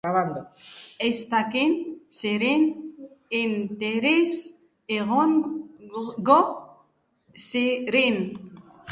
Ez dakit zein interes egongo ziren.